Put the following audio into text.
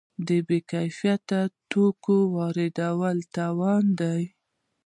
د بې کیفیت توکو واردات تاوان دی.